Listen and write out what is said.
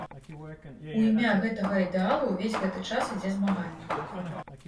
У імя гэтага ідэалу ўвесь гэты час ідзе змаганне.